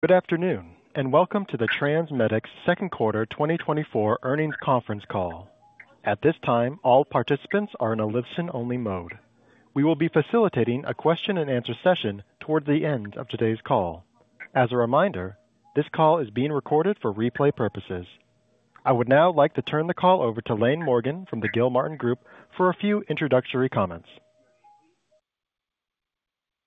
Good afternoon, and welcome to the TransMedics second quarter 2024 earnings conference call. At this time, all participants are in a listen-only mode. We will be facilitating a question and answer session toward the end of today's call. As a reminder, this call is being recorded for replay purposes. I would now like to turn the call over to Laine Morgan from the Gilmartin Group for a few introductory comments.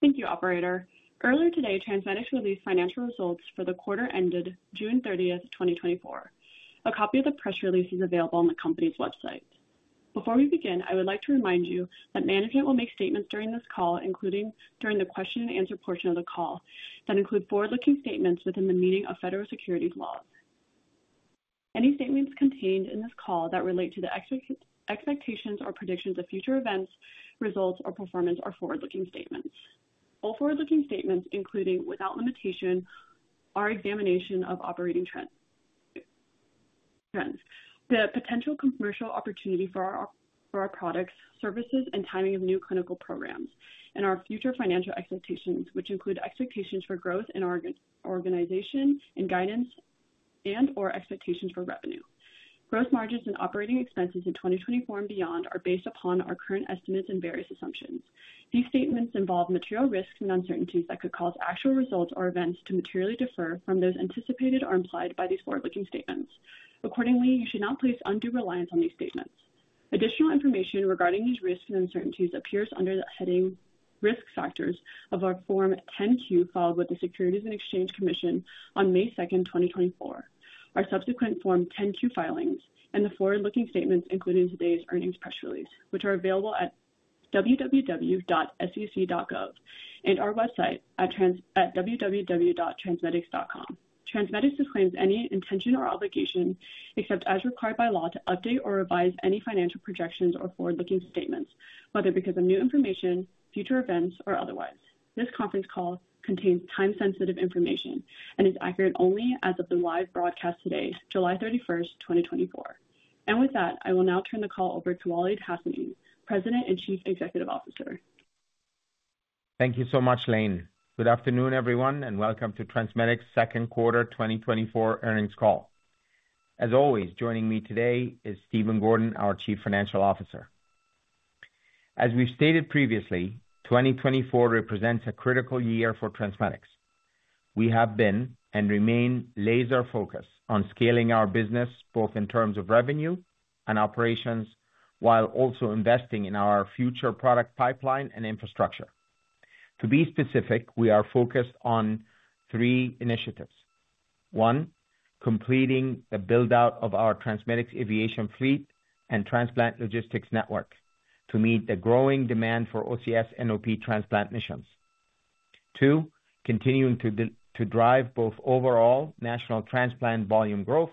Thank you, operator. Earlier today, TransMedics released financial results for the quarter ended June 30th, 2024. A copy of the press release is available on the company's website. Before we begin, I would like to remind you that management will make statements during this call, including during the question and answer portion of the call, that include forward-looking statements within the meaning of federal securities laws. Any statements contained in this call that relate to the expectations or predictions of future events, results, or performance are forward-looking statements. All forward-looking statements, including without limitation, our examination of operating trends, the potential commercial opportunity for our products, services, and timing of new clinical programs, and our future financial expectations, which include expectations for growth in our organization and guidance and/or expectations for revenue. Gross margins and operating expenses in 2024 and beyond are based upon our current estimates and various assumptions. These statements involve material risks and uncertainties that could cause actual results or events to materially differ from those anticipated or implied by these forward-looking statements. Accordingly, you should not place undue reliance on these statements. Additional information regarding these risks and uncertainties appears under the heading Risk Factors of our Form 10-Q, filed with the Securities and Exchange Commission on May 2nd, 2024. Our subsequent Form 10-Q filings and the forward-looking statements included in today's earnings press release, which are available at www.sec.gov and our website at www.transmedics.com. TransMedics disclaims any intention or obligation, except as required by law, to update or revise any financial projections or forward-looking statements, whether because of new information, future events, or otherwise. This conference call contains time-sensitive information and is accurate only as of the live broadcast today, July 31st, 2024. With that, I will now turn the call over to Waleed Hassanein, President and Chief Executive Officer. Thank you so much, Laine. Good afternoon, everyone, and welcome to TransMedics' second quarter 2024 earnings call. As always, joining me today is Stephen Gordon, our Chief Financial Officer. As we've stated previously, 2024 represents a critical year for TransMedics. We have been, and remain, laser focused on scaling our business, both in terms of revenue and operations, while also investing in our future product pipeline and infrastructure. To be specific, we are focused on three initiatives. One, completing the build-out of our TransMedics Aviation fleet and transplant logistics network to meet the growing demand for OCS NOP transplant missions. Two, continuing to drive both overall national transplant volume growth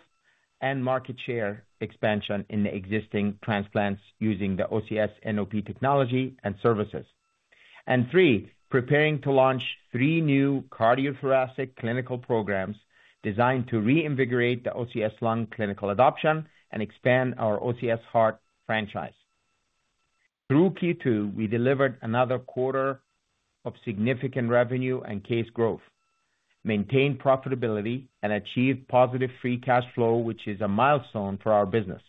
and market share expansion in the existing transplants using the OCS NOP technology and services. And three, preparing to launch three new cardiothoracic clinical programs designed to reinvigorate the OCS Lung clinical adoption and expand our OCS Heart franchise. Through Q2, we delivered another quarter of significant revenue and case growth, maintained profitability, and achieved positive free cash flow, which is a milestone for our business.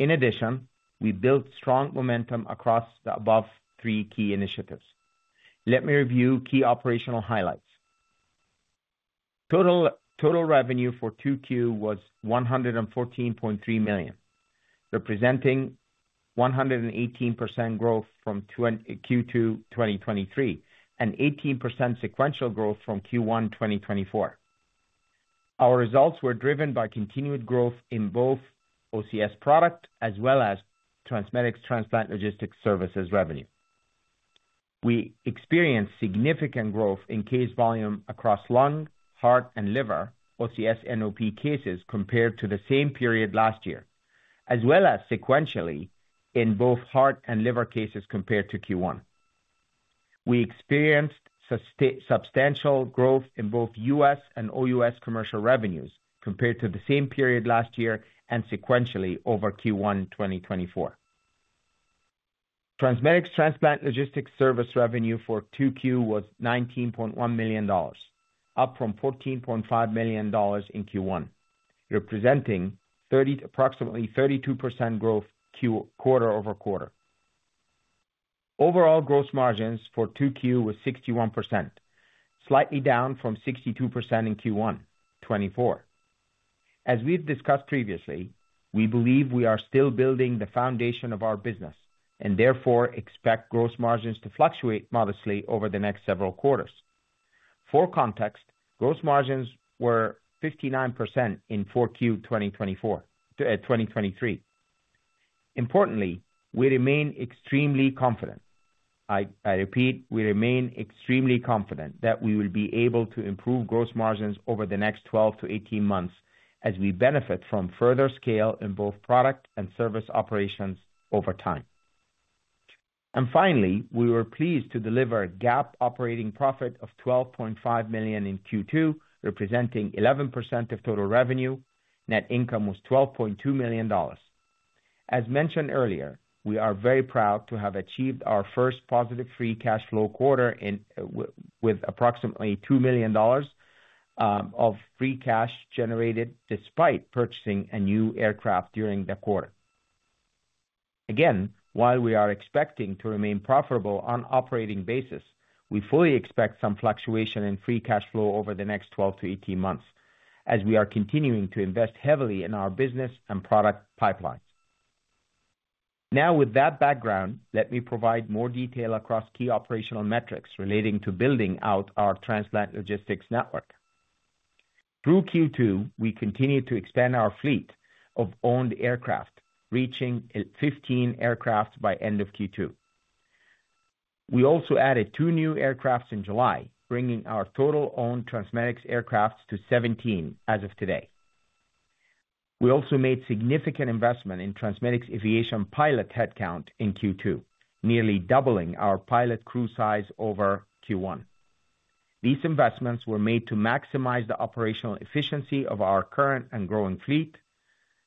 In addition, we built strong momentum across the above three key initiatives. Let me review key operational highlights. Total revenue for Q2 was $114.3 million, representing 118% growth from Q2 2023, and 18% sequential growth from Q1 2024. Our results were driven by continued growth in both OCS product as well as TransMedics transplant logistics services revenue. We experienced significant growth in case volume across lung, heart, and liver, OCS NOP cases compared to the same period last year, as well as sequentially in both heart and liver cases compared to Q1. We experienced substantial growth in both U.S. and OUS commercial revenues compared to the same period last year and sequentially over Q1 2024. TransMedics transplant logistics service revenue for Q2 was $19.1 million, up from $14.5 million in Q1, representing approximately 32% growth quarter-over-quarter. Overall, gross margins for Q2 were 61%, slightly down from 62% in Q1 2024. As we've discussed previously, we believe we are still building the foundation of our business and therefore expect gross margins to fluctuate modestly over the next several quarters. For context, gross margins were 59% in Q4 2023. Importantly, we remain extremely confident. I repeat, we remain extremely confident that we will be able to improve gross margins over the next 12-18 months as we benefit from further scale in both product and service operations over time. And finally, we were pleased to deliver a GAAP operating profit of $12.5 million in Q2, representing 11% of total revenue. Net income was $12.2 million. As mentioned earlier, we are very proud to have achieved our first positive free cash flow quarter with approximately $2 million of free cash generated despite purchasing a new aircraft during the quarter. Again, while we are expecting to remain profitable on operating basis, we fully expect some fluctuation in free cash flow over the next 12-18 months as we are continuing to invest heavily in our business and product pipelines. Now, with that background, let me provide more detail across key operational metrics relating to building out our transplant logistics network. Through Q2, we continued to extend our fleet of owned aircraft, reaching 15 aircraft by end of Q2. We also added two new aircraft in July, bringing our total owned TransMedics aircraft to 17 as of today. We also made significant investment in TransMedics Aviation pilot headcount in Q2, nearly doubling our pilot crew size over Q1. These investments were made to maximize the operational efficiency of our current and growing fleet.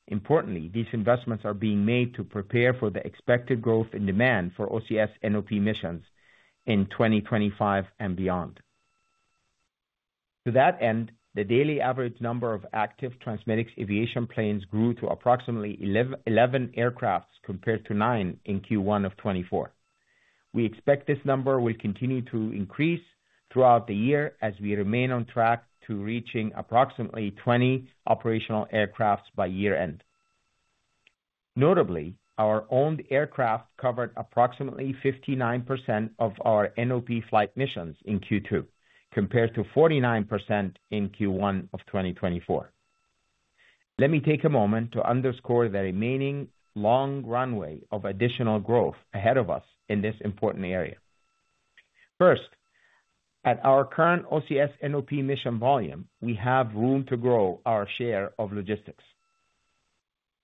Importantly, these investments are being made to prepare for the expected growth in demand for OCS NOP missions in 2025 and beyond. To that end, the daily average number of active TransMedics Aviation planes grew to approximately 11 aircraft compared to nine in Q1 of 2024. We expect this number will continue to increase throughout the year as we remain on track to reaching approximately 20 operational aircrafts by year-end. Notably, our owned aircraft covered approximately 59% of our NOP flight missions in Q2, compared to 49% in Q1 of 2024. Let me take a moment to underscore the remaining long runway of additional growth ahead of us in this important area. First, at our current OCS NOP mission volume, we have room to grow our share of logistics.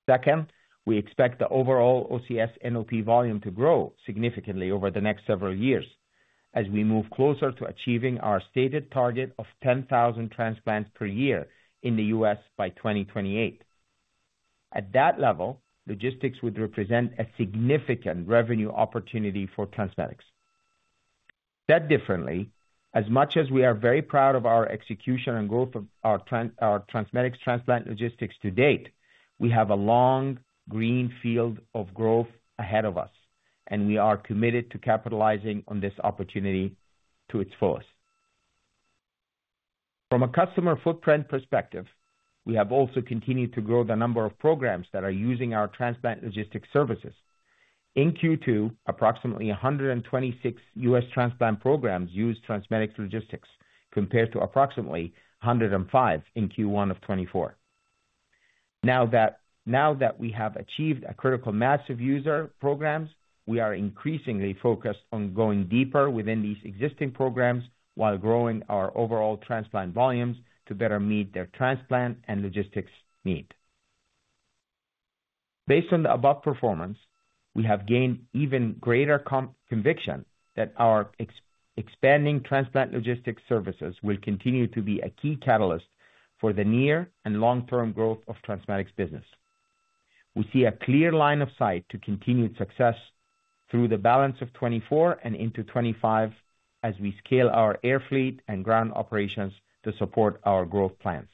Second, we expect the overall OCS NOP volume to grow significantly over the next several years as we move closer to achieving our stated target of 10,000 transplants per year in the U.S. by 2028. At that level, logistics would represent a significant revenue opportunity for TransMedics. Said differently, as much as we are very proud of our execution and growth of our TransMedics Transplant Logistics to date, we have a long green field of growth ahead of us, and we are committed to capitalizing on this opportunity to its fullest. From a customer footprint perspective, we have also continued to grow the number of programs that are using our transplant logistics services. In Q2, approximately 126 U.S. transplant programs used TransMedics Logistics, compared to approximately 105 in Q1 of 2024. Now that we have achieved a critical mass of user programs, we are increasingly focused on going deeper within these existing programs while growing our overall transplant volumes to better meet their transplant and logistics need. Based on the above performance, we have gained even greater conviction that our expanding transplant logistics services will continue to be a key catalyst for the near and long-term growth of TransMedics business. We see a clear line of sight to continued success through the balance of 2024 and into 2025 as we scale our air fleet and ground operations to support our growth plans.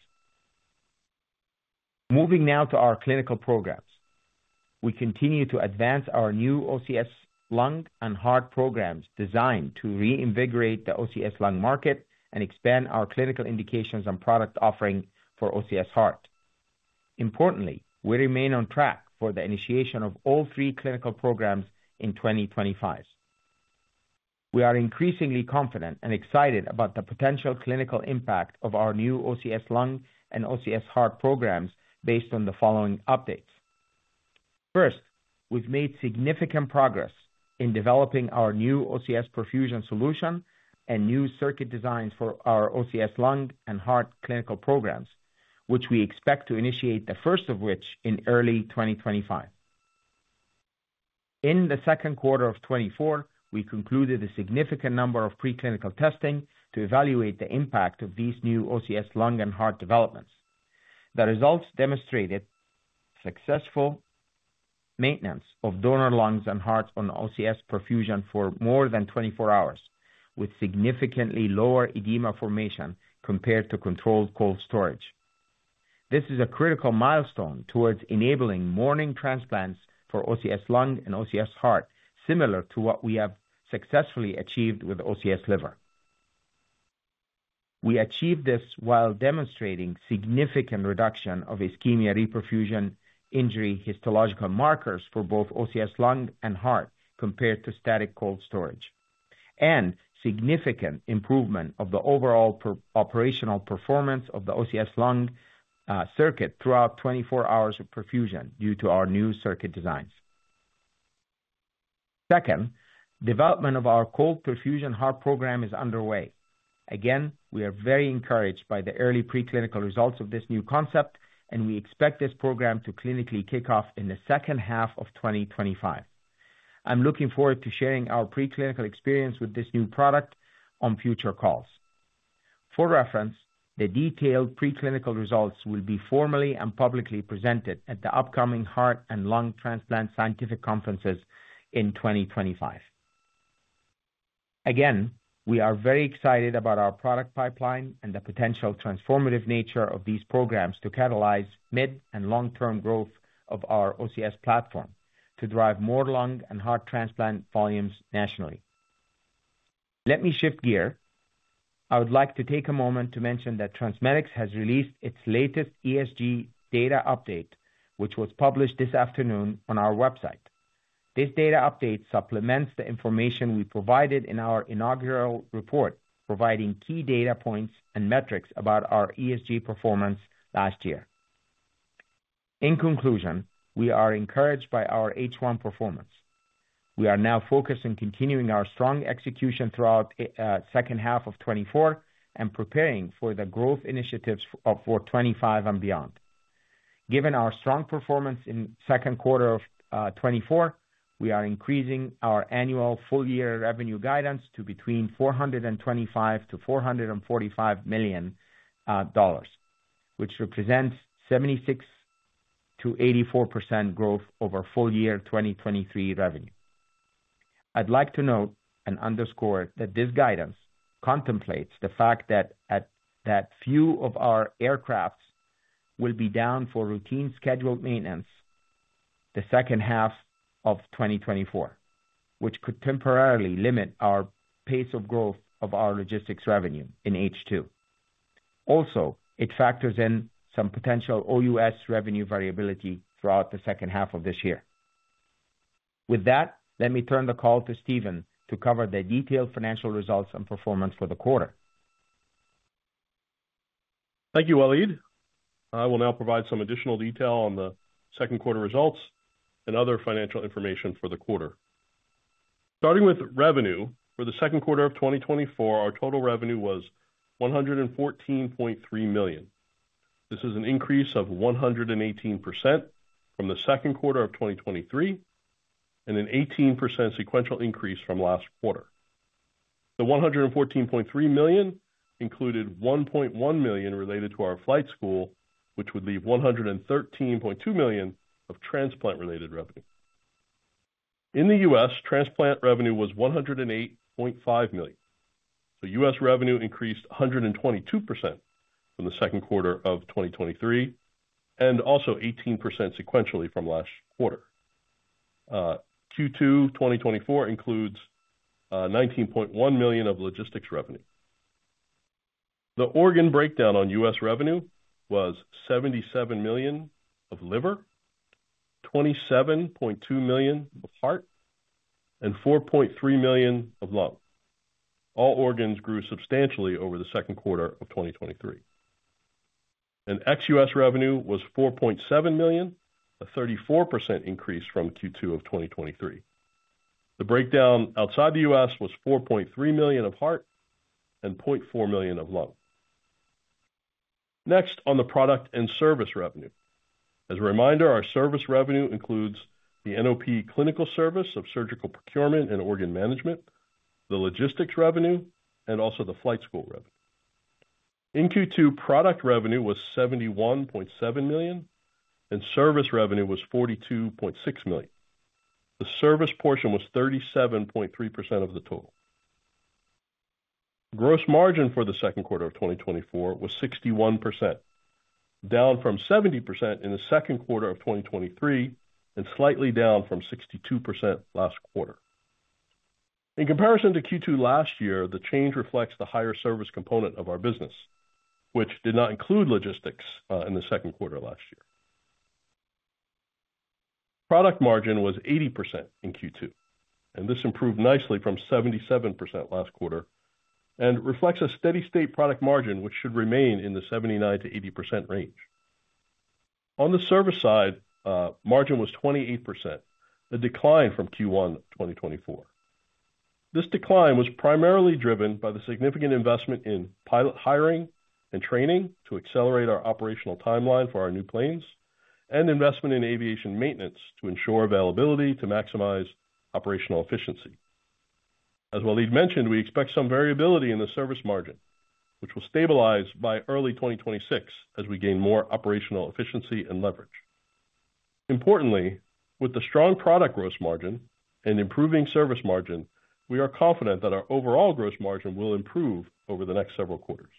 Moving now to our clinical programs. We continue to advance our new OCS Lung and OCS Heart programs designed to reinvigorate the OCS Lung market and expand our clinical indications and product offering for OCS Heart. Importantly, we remain on track for the initiation of all three clinical programs in 2025. We are increasingly confident and excited about the potential clinical impact of our new OCS Lung and OCS Heart programs based on the following updates. First, we've made significant progress in developing our new OCS perfusion solution and new circuit designs for our OCS Lung and OCS Heart clinical programs, which we expect to initiate, the first of which, in early 2025. In the second quarter of 2024, we concluded a significant number of preclinical testing to evaluate the impact of these new OCS Lung and OCS Heart developments. The results demonstrated successful maintenance of donor lungs and hearts on OCS perfusion for more than 24 hours, with significantly lower edema formation compared to controlled cold storage. This is a critical milestone towards enabling morning transplants for OCS Lung and OCS Heart, similar to what we have successfully achieved with OCS Liver. We achieved this while demonstrating significant reduction of ischemia-reperfusion injury histological markers for both OCS Lung and Heart compared to static cold storage, and significant improvement of the overall peri-operational performance of the OCS Lung circuit throughout 24 hours of perfusion due to our new circuit designs. Second, development of our cold perfusion heart program is underway. Again, we are very encouraged by the early preclinical results of this new concept, and we expect this program to clinically kick off in the second half of 2025. I'm looking forward to sharing our preclinical experience with this new product on future calls. For reference, the detailed preclinical results will be formally and publicly presented at the upcoming heart and lung transplant scientific conferences in 2025. Again, we are very excited about our product pipeline and the potential transformative nature of these programs to catalyze mid and long-term growth of our OCS platform, to drive more lung and heart transplant volumes nationally. Let me shift gear. I would like to take a moment to mention that TransMedics has released its latest ESG data update, which was published this afternoon on our website. This data update supplements the information we provided in our inaugural report, providing key data points and metrics about our ESG performance last year. In conclusion, we are encouraged by our H1 performance. We are now focused on continuing our strong execution throughout second half of 2024 and preparing for the growth initiatives of 2025 and beyond. Given our strong performance in second quarter of 2024, we are increasing our annual full-year revenue guidance to between $425 million and $445 million, which represents 76%-84% growth over full year 2023 revenue. I'd like to note and underscore that this guidance contemplates the fact that few of our aircrafts will be down for routine scheduled maintenance the second half of 2024, which could temporarily limit our pace of growth of our logistics revenue in H2. Also, it factors in some potential OUS revenue variability throughout the second half of this year. With that, let me turn the call to Stephen to cover the detailed financial results and performance for the quarter. Thank you, Waleed. I will now provide some additional detail on the second quarter results and other financial information for the quarter. Starting with revenue. For the second quarter of 2024, our total revenue was $114.3 million. This is an increase of 118% from the second quarter of 2023, and an 18% sequential increase from last quarter. The $114.3 million included $1.1 million related to our flight school, which would leave $113.2 million of transplant-related revenue. In the U.S., transplant revenue was $108.5 million. So U.S. revenue increased 122% from the second quarter of 2023, and also 18% sequentially from last quarter. Q2 2024 includes $19.1 million of logistics revenue. The organ breakdown on U.S. revenue was $77 million of liver, $27.2 million of heart, and $4.3 million of lung. All organs grew substantially over the second quarter of 2023. ex-U.S. revenue was $4.7 million, a 34% increase from Q2 of 2023. The breakdown outside the U.S. was $4.3 million of heart and $0.4 million of lung. Next, on the product and service revenue. As a reminder, our service revenue includes the NOP clinical service of surgical procurement and organ management, the logistics revenue, and also the flight school revenue. In Q2, product revenue was $71.7 million, and service revenue was $42.6 million. The service portion was 37.3% of the total. Gross margin for the second quarter of 2024 was 61%, down from 70% in the second quarter of 2023, and slightly down from 62% last quarter. In comparison to Q2 last year, the change reflects the higher service component of our business, which did not include logistics in the second quarter last year. Product margin was 80% in Q2, and this improved nicely from 77% last quarter and reflects a steady state product margin, which should remain in the 79%-80% range. On the service side, margin was 28%, a decline from Q1 2024. This decline was primarily driven by the significant investment in pilot hiring and training to accelerate our operational timeline for our new planes and investment in aviation maintenance to ensure availability to maximize operational efficiency. As Waleed mentioned, we expect some variability in the service margin, which will stabilize by early 2026 as we gain more operational efficiency and leverage. Importantly, with the strong product gross margin and improving service margin, we are confident that our overall gross margin will improve over the next several quarters.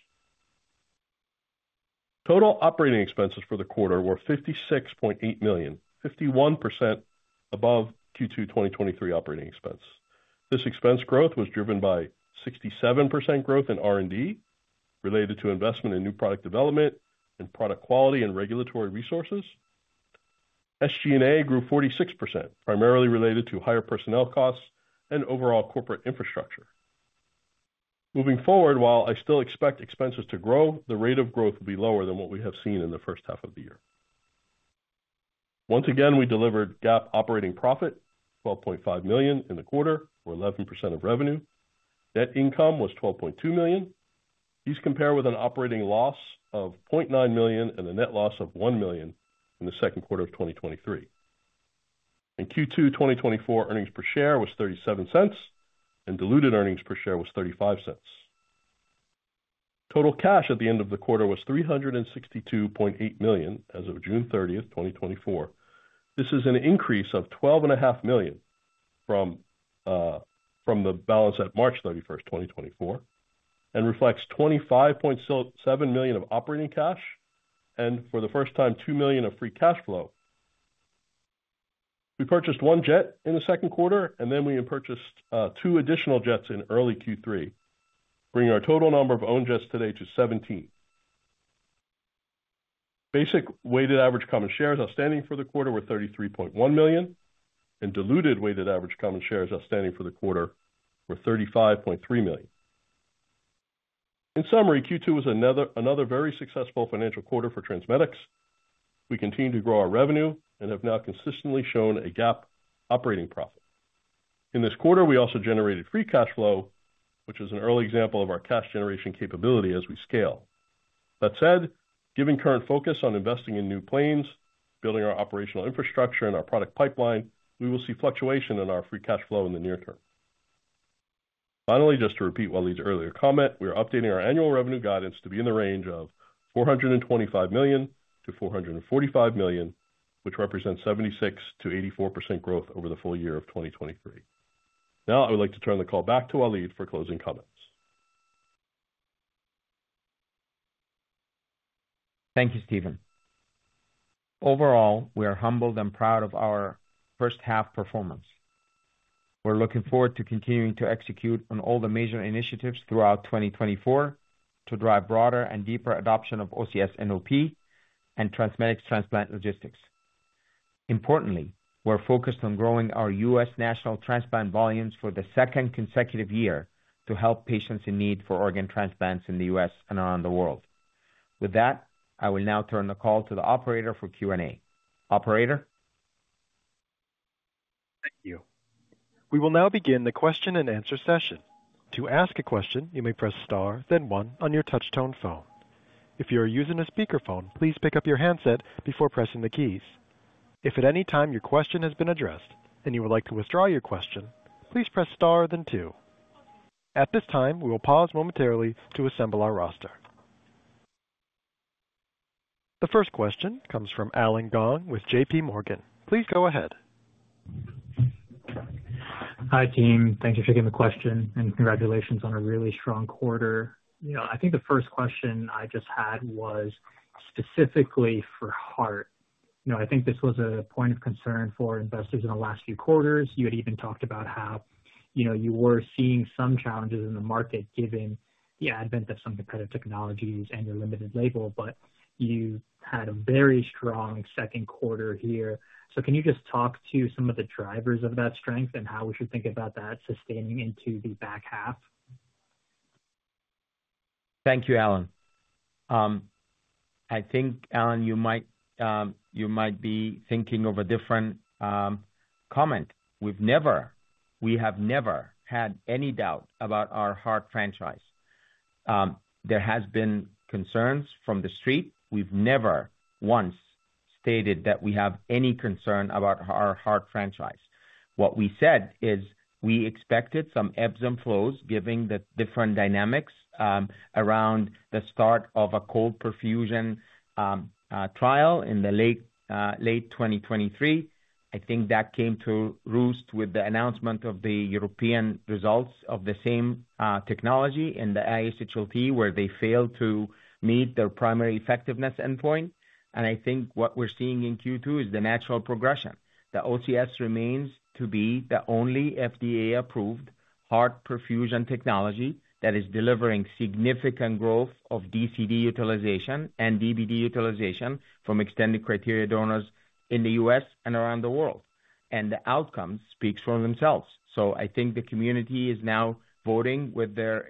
Total operating expenses for the quarter were $56.8 million, 51% above Q2 2023 operating expense. This expense growth was driven by 67% growth in R&D, related to investment in new product development and product quality and regulatory resources. SG&A grew 46%, primarily related to higher personnel costs and overall corporate infrastructure. Moving forward, while I still expect expenses to grow, the rate of growth will be lower than what we have seen in the first half of the year. Once again, we delivered GAAP operating profit, $12.5 million in the quarter or 11% of revenue. Net income was $12.2 million. These compare with an operating loss of $0.9 million and a net loss of $1 million in the second quarter of 2023. In Q2 2024, earnings per share was $0.37, and diluted earnings per share was $0.35. Total cash at the end of the quarter was $362.8 million as of June 30th, 2024. This is an increase of $12.5 million from the balance at March 31st, 2024, and reflects $25.7 million of operating cash, and for the first time, $2 million of free cash flow. We purchased one jet in the second quarter, and then we purchased two additional jets in early Q3, bringing our total number of owned jets today to 17. Basic weighted average common shares outstanding for the quarter were 33.1 million, and diluted weighted average common shares outstanding for the quarter were 35.3 million. In summary, Q2 was another, another very successful financial quarter for TransMedics. We continue to grow our revenue and have now consistently shown a GAAP operating profit. In this quarter, we also generated free cash flow, which is an early example of our cash generation capability as we scale. That said, given current focus on investing in new planes, building our operational infrastructure and our product pipeline, we will see fluctuation in our free cash flow in the near term. Finally, just to repeat Waleed's earlier comment, we are updating our annual revenue guidance to be in the range of $425 million-$445 million, which represents 76%-84% growth over the full year of 2023. Now, I would like to turn the call back to Waleed for closing comments. Thank you, Stephen. Overall, we are humbled and proud of our first half performance. We're looking forward to continuing to execute on all the major initiatives throughout 2024 to drive broader and deeper adoption of OCS NOP and TransMedics transplant logistics. Importantly, we're focused on growing our U.S. national transplant volumes for the second consecutive year to help patients in need for organ transplants in the U.S. and around the world. With that, I will now turn the call to the operator for Q&A. Operator? Thank you. We will now begin the question-and-answer session. To ask a question, you may press star then one on your touchtone phone. If you are using a speakerphone, please pick up your handset before pressing the keys. If at any time your question has been addressed and you would like to withdraw your question, please press star then two. At this time, we will pause momentarily to assemble our roster. The first question comes from Allen Gong with JPMorgan. Please go ahead. Hi, team. Thank you for taking the question, and congratulations on a really strong quarter. You know, I think the first question I just had was specifically for heart. You know, I think this was a point of concern for investors in the last few quarters. You had even talked about how, you know, you were seeing some challenges in the market, given the advent of some competitive technologies and your limited label, but you had a very strong second quarter here. So can you just talk to some of the drivers of that strength and how we should think about that sustaining into the back half? Thank you, Allen. I think, Allen, you might, you might be thinking of a different, comment. We've never, we have never had any doubt about our heart franchise. There has been concerns from The Street. We've never once stated that we have any concern about our heart franchise. What we said is, we expected some ebbs and flows, giving the different dynamics, around the start of a cold perfusion, trial in the late 2023. I think that came to roost with the announcement of the European results of the same, technology in the ISHLT, where they failed to meet their primary effectiveness endpoint. And I think what we're seeing in Q2 is the natural progression. The OCS remains to be the only FDA-approved heart perfusion technology that is delivering significant growth of DCD utilization and DBD utilization from extended criteria donors in the U.S. and around the world, and the outcomes speaks for themselves. So I think the community is now voting with their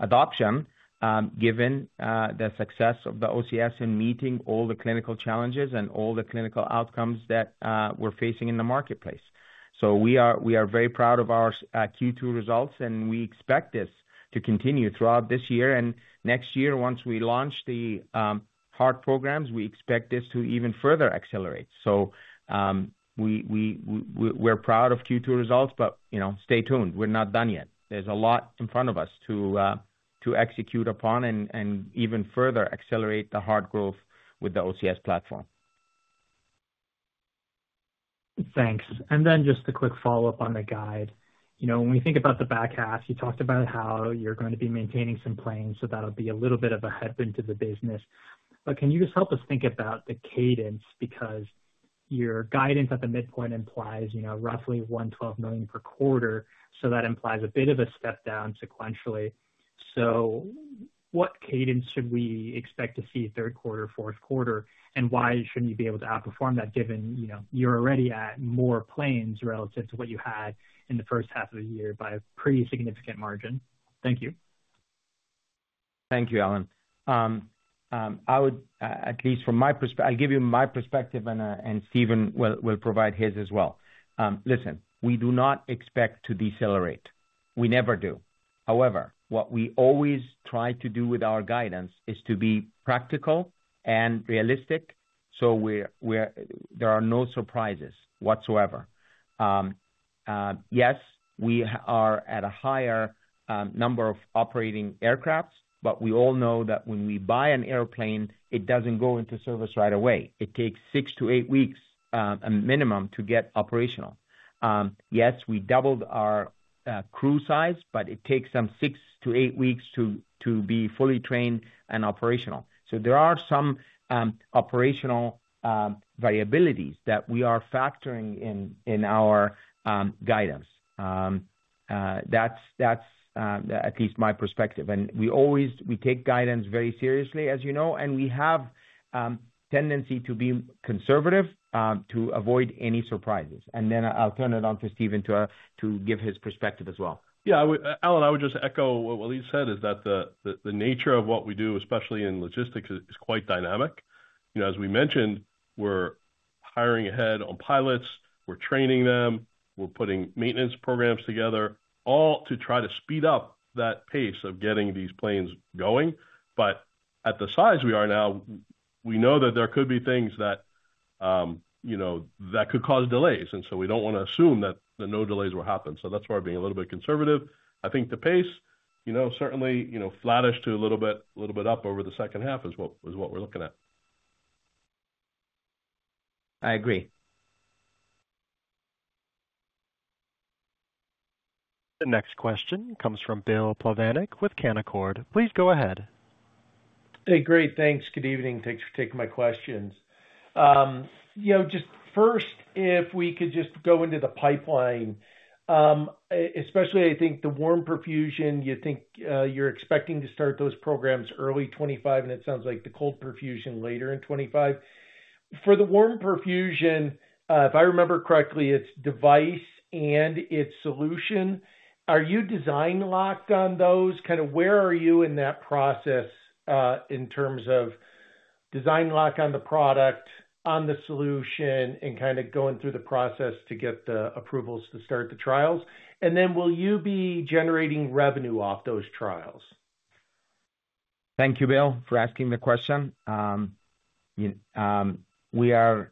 adoption, given the success of the OCS in meeting all the clinical challenges and all the clinical outcomes that we're facing in the marketplace. So we are very proud of our Q2 results, and we expect this to continue throughout this year and next year. Once we launch the heart programs, we expect this to even further accelerate. So, we're proud of Q2 results, but, you know, stay tuned. We're not done yet. There's a lot in front of us to execute upon and even further accelerate the heart growth with the OCS platform. Thanks. And then just a quick follow-up on the guide. You know, when we think about the back half, you talked about how you're going to be maintaining some planes, so that'll be a little bit of a headwind to the business. But can you just help us think about the cadence? Because your guidance at the midpoint implies, you know, roughly $112 million per quarter, so that implies a bit of a step down sequentially. So what cadence should we expect to see third quarter, fourth quarter, and why shouldn't you be able to outperform that, given, you know, you're already at more planes relative to what you had in the first half of the year by a pretty significant margin? Thank you. Thank you, Allen. I'll give you my perspective, and Stephen will provide his as well. Listen, we do not expect to decelerate. We never do. However, what we always try to do with our guidance is to be practical and realistic, so we're there are no surprises whatsoever. Yes, we are at a higher number of operating aircraft, but we all know that when we buy an airplane, it doesn't go into service right away. It takes six to eight weeks, a minimum, to get operational. Yes, we doubled our crew size, but it takes them six to eight weeks to be fully trained and operational. So there are some operational variabilities that we are factoring in our guidance. That's at least my perspective. We always take guidance very seriously, as you know, and we have a tendency to be conservative to avoid any surprises. Then I'll turn it over to Stephen to give his perspective as well. Yeah, I would, Allen, I would just echo what Waleed said, is that the nature of what we do, especially in logistics, is quite dynamic. You know, as we mentioned, we're hiring ahead on pilots, we're training them, we're putting maintenance programs together, all to try to speed up that pace of getting these planes going. But at the size we are now, we know that there could be things that, you know, that could cause delays, and so we don't wanna assume that no delays will happen. So that's why we're being a little bit conservative. I think the pace, you know, certainly, you know, flattish to a little bit up over the second half is what we're looking at. I agree. The next question comes from Bill Plovanic with Canaccord. Please go ahead. Hey, great, thanks. Good evening. Thanks for taking my questions. You know, just first, if we could just go into the pipeline, especially I think the warm perfusion, you think, you're expecting to start those programs early 2025, and it sounds like the cold perfusion later in 2025. For the warm perfusion, if I remember correctly, it's device and it's solution. Are you design locked on those? Kinda where are you in that process, in terms of design lock on the product, on the solution, and kinda going through the process to get the approvals to start the trials? And then will you be generating revenue off those trials? Thank you, Bill, for asking the question. We are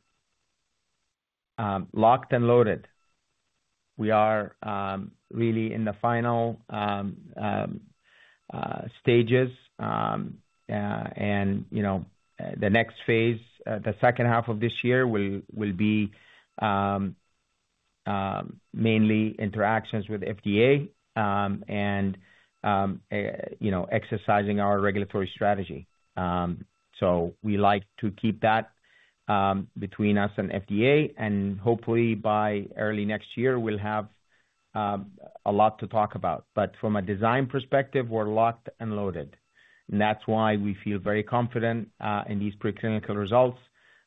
locked and loaded. We are really in the final stages, and you know, the next phase, the second half of this year will be mainly interactions with FDA, and you know, exercising our regulatory strategy. So we like to keep that between us and FDA, and hopefully by early next year, we'll have a lot to talk about. But from a design perspective, we're locked and loaded, and that's why we feel very confident in these preclinical results.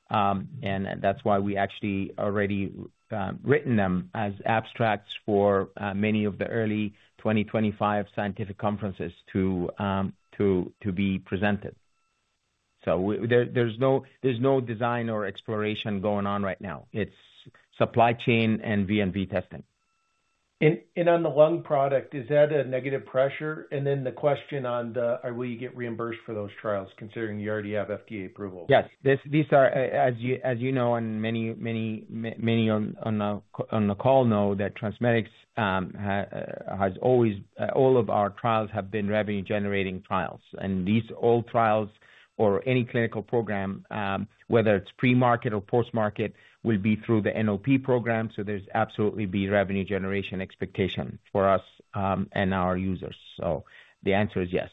And that's why we actually already written them as abstracts for many of the early 2025 scientific conferences to be presented. So there's no design or exploration going on right now. It's supply chain and V&V testing. On the lung product, is that a negative pressure? And then the question on the will you get reimbursed for those trials, considering you already have FDA approval? Yes. These are, as you know, and many on the call know, that TransMedics has always all of our trials have been revenue-generating trials. And these all trials or any clinical program, whether it's pre-market or post-market, will be through the NOP program. So there's absolutely be revenue generation expectation for us, and our users. So the answer is yes.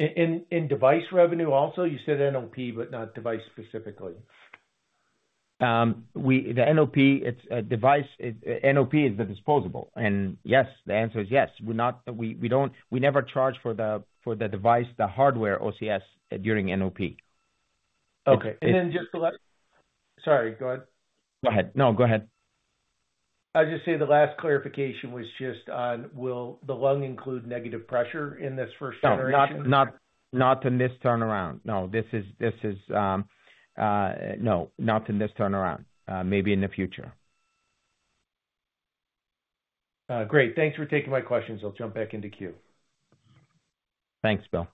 In, in device revenue also, you said NOP, but not device specifically. We, the NOP, it's a device. It, NOP is the disposable. And yes, the answer is yes. We're not, we don't, we never charge for the device, the hardware OCS during NOP. Okay. It's- And then just the last... Sorry, go ahead. Go ahead. No, go ahead. I'll just say the last clarification was just on, will the lung include negative pressure in this first generation? No, not in this turnaround. No, this is not in this turnaround. Maybe in the future. Great. Thanks for taking my questions. I'll jump back into queue. Thanks, Bill.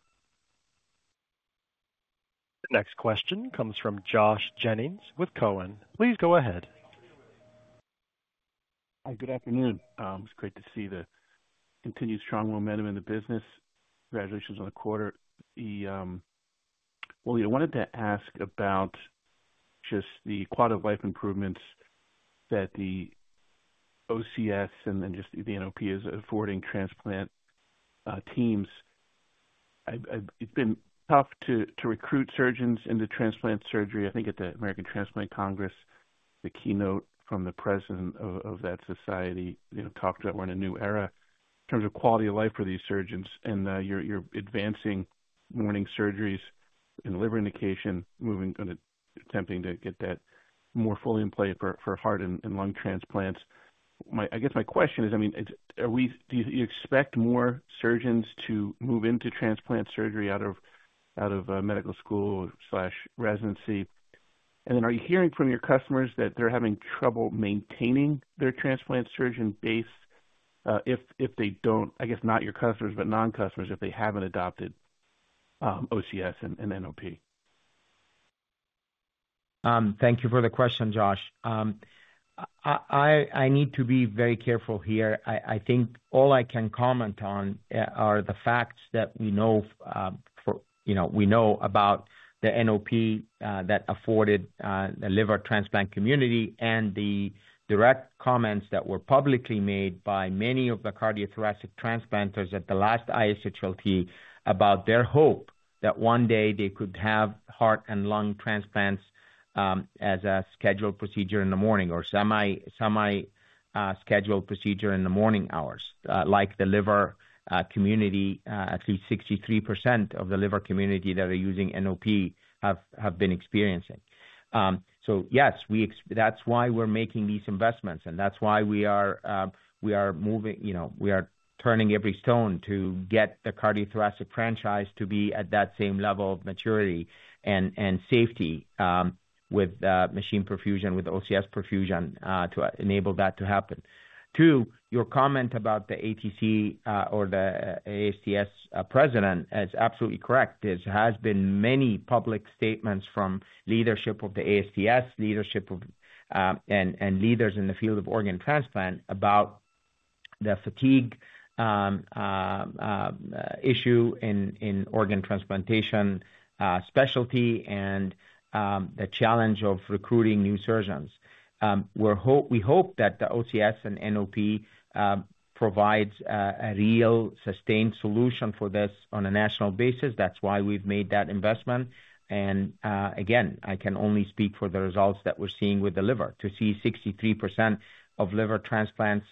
The next question comes from Josh Jennings with Cowen. Please go ahead. Hi, good afternoon. It's great to see the continued strong momentum in the business. Congratulations on the quarter. The... Well, I wanted to ask about just the quality of life improvements that the OCS and then just the NOP is affording transplant teams. I've—it's been tough to recruit surgeons into transplant surgery. I think at the American Transplant Congress, the keynote from the president of that society, you know, talked about we're in a new era in terms of quality of life for these surgeons, and you're advancing morning surgeries and liver indication, moving on, attempting to get that more fully in play for heart and lung transplants. I guess my question is, I mean, it's, are we—do you expect more surgeons to move into transplant surgery out of medical school/residency? Then are you hearing from your customers that they're having trouble maintaining their transplant surgeon base? If they don't, I guess not your customers, but non-customers, if they haven't adopted OCS and NOP. Thank you for the question, Josh. I need to be very careful here. I think all I can comment on are the facts that we know, you know, we know about the NOP that afforded the liver transplant community and the direct comments that were publicly made by many of the cardiothoracic transplanters at the last ISHLT about their hope that one day they could have heart and lung transplants as a scheduled procedure in the morning or semi-scheduled procedure in the morning hours, like the liver community, at least 63% of the liver community that are using NOP have been experiencing. So yes, that's why we're making these investments, and that's why we are moving, you know, we are turning every stone to get the cardiothoracic franchise to be at that same level of maturity and, and safety, with machine perfusion, with OCS perfusion, to enable that to happen. Too, your comment about the ATC, or the ASTS, president, is absolutely correct. There has been many public statements from leadership of the ASTS, leadership of, and, and leaders in the field of organ transplant about the fatigue, issue in, in organ transplantation, specialty and, the challenge of recruiting new surgeons. We hope that the OCS and NOP, provides, a real sustained solution for this on a national basis. That's why we've made that investment. Again, I can only speak for the results that we're seeing with the liver. To see 63% of liver transplants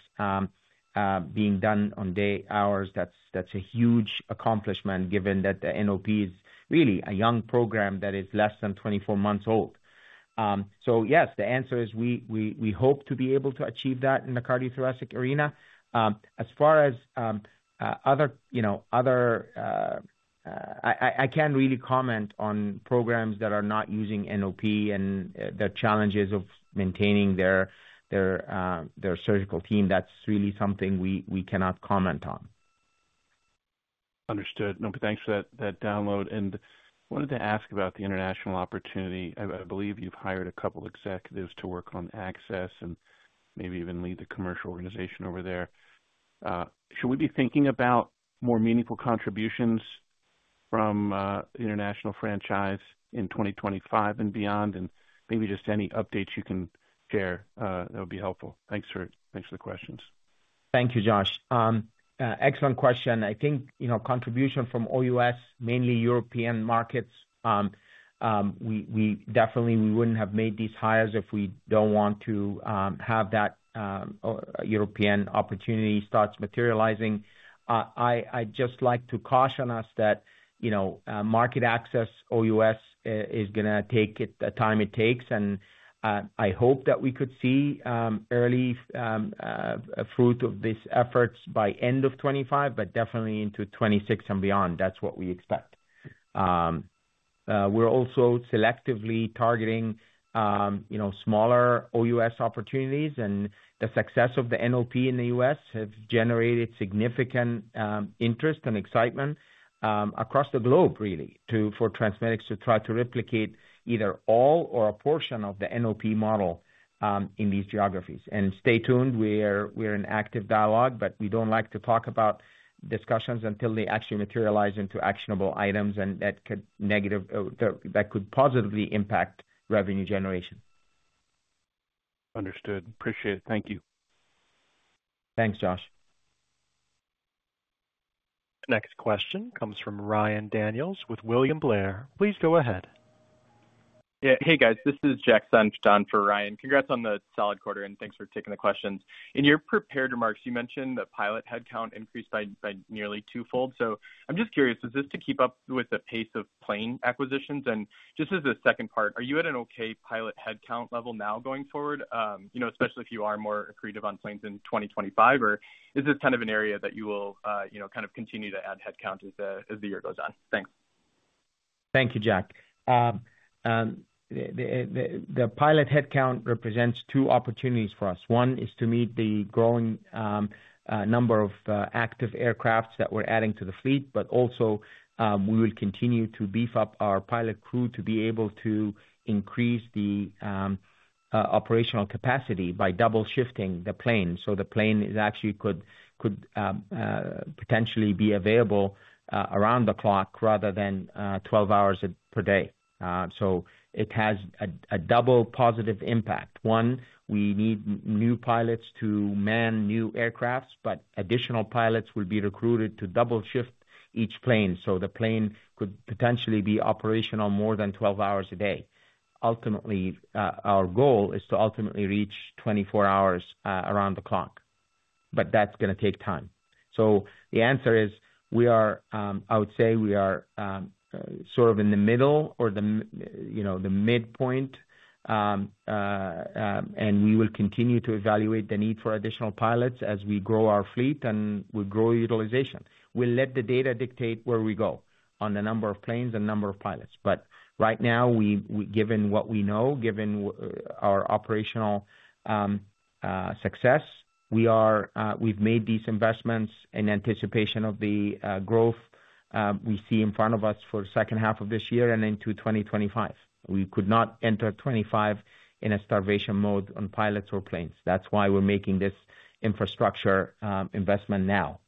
being done on day hours, that's a huge accomplishment, given that the NOP is really a young program that is less than 24 months old. So yes, the answer is we hope to be able to achieve that in the cardiothoracic arena. As far as other, you know, other... I can't really comment on programs that are not using NOP and the challenges of maintaining their surgical team. That's really something we cannot comment on. Understood. Okay, thanks for that download. And I wanted to ask about the international opportunity. I believe you've hired a couple executives to work on access and maybe even lead the commercial organization over there. Should we be thinking about more meaningful contributions from the international franchise in 2025 and beyond? And maybe just any updates you can share that would be helpful. Thanks for the questions. Thank you, Josh. Excellent question. I think, you know, contribution from OUS, mainly European markets, we definitely wouldn't have made these hires if we don't want to have that European opportunity starts materializing. I'd just like to caution us that, you know, market access, OUS, is gonna take it, the time it takes, and I hope that we could see early fruit of these efforts by end of 2025, but definitely into 2026 and beyond. That's what we expect. We're also selectively targeting, you know, smaller OUS opportunities, and the success of the NOP in the U.S. has generated significant interest and excitement across the globe, really, for TransMedics to try to replicate either all or a portion of the NOP model in these geographies. And stay tuned, we're in active dialogue, but we don't like to talk about discussions until they actually materialize into actionable items and that could negative, that could positively impact revenue generation. Understood. Appreciate it. Thank you. Thanks, Josh. Next question comes from Ryan Daniels with William Blair. Please go ahead. Yeah. Hey, guys, this is Jack Senft for Ryan. Congrats on the solid quarter, and thanks for taking the questions. In your prepared remarks, you mentioned that pilot headcount increased by nearly twofold. So I'm just curious, is this to keep up with the pace of plane acquisitions? And just as a second part, are you at an okay pilot headcount level now going forward? You know, especially if you are more accretive on planes in 2025, or is this kind of an area that you will, you know, kind of continue to add headcount as the, as the year goes on? Thanks. Thank you, Jack. The pilot headcount represents two opportunities for us. One is to meet the growing number of active aircrafts that we're adding to the fleet, but also, we will continue to beef up our pilot crew to be able to increase the operational capacity by double shifting the plane. So the plane is actually could, could, potentially be available around the clock rather than 12 hours per day. So it has a double positive impact. One, we need new pilots to man new aircrafts, but additional pilots will be recruited to double shift each plane, so the plane could potentially be operational more than 12 hours a day. Ultimately, our goal is to ultimately reach 24 hours around the clock, but that's gonna take time. So the answer is, we are, I would say we are sort of in the middle or the, you know, the midpoint. And we will continue to evaluate the need for additional pilots as we grow our fleet and we grow utilization. We'll let the data dictate where we go on the number of planes and number of pilots. But right now, we, given what we know, given our operational success, we are, we've made these investments in anticipation of the growth we see in front of us for the second half of this year and into 2025. We could not enter 2025 in a starvation mode on pilots or planes. That's why we're making this infrastructure investment now.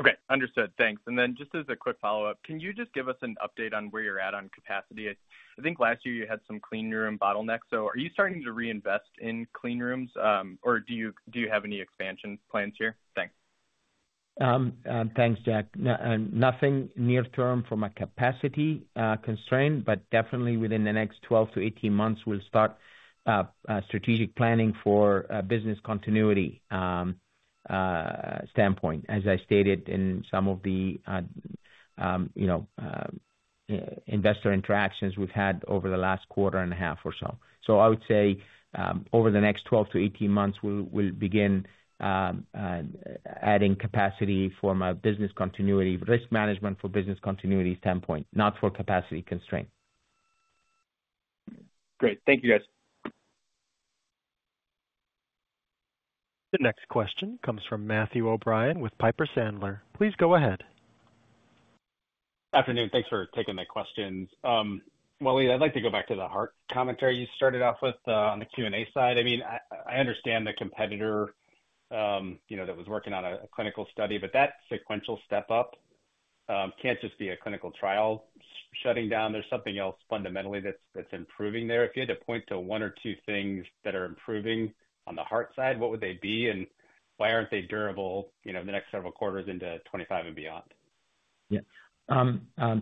Okay, understood. Thanks. And then just as a quick follow-up, can you just give us an update on where you're at on capacity? I think last year you had some clean room bottlenecks. So are you starting to reinvest in clean rooms, or do you have any expansion plans here? Thanks. Thanks, Jack. Nothing near term from a capacity constraint, but definitely within the next 12-18 months, we'll start strategic planning for a business continuity standpoint, as I stated in some of the you know investor interactions we've had over the last quarter and a half or so. So I would say over the next 12-18 months, we'll begin adding capacity from a business continuity risk management for business continuity standpoint, not for capacity constraint. Great. Thank you, guys. The next question comes from Matthew O'Brien with Piper Sandler. Please go ahead. Afternoon. Thanks for taking my questions. Waleed, I'd like to go back to the heart commentary you started off with, on the Q&A side. I mean, I, I understand the competitor, you know, that was working on a clinical study, but that sequential step up, can't just be a clinical trial shutting down. There's something else fundamentally that's, that's improving there. If you had to point to one or two things that are improving on the heart side, what would they be, and why aren't they durable, you know, in the next several quarters into 2025 and beyond? Yeah.